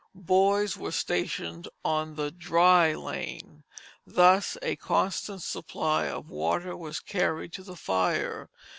Boys were stationed on the dry lane. Thus a constant supply of water was carried to the fire.